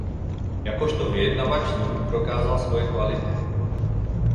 Jakožto vyjednavač znovu prokázal svoje kvality.